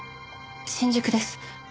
新宿です。